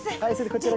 こちら。